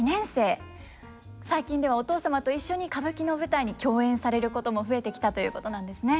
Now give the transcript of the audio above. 最近ではお父様と一緒に歌舞伎の舞台に共演されることも増えてきたということなんですね。